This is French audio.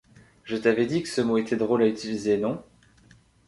Je t’avais dit que ce mot était drôle à utiliser, non ?